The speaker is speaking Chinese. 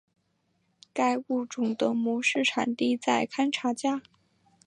该物种的模式产地在堪察加。